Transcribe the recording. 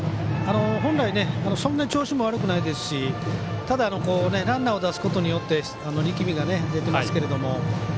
本来、そんなに調子も悪くないですしただランナーを出すことによって力みが出ていますが。